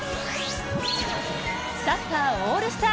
サッカーオールスター